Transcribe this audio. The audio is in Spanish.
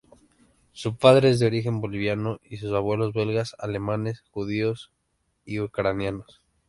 Su padre es de origen boliviano, y sus abuelos, belgas, alemanes judíos y ucranianos.